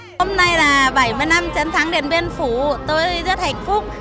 hôm nay là bảy mươi năm chiến thắng điện biên phủ tôi rất hạnh phúc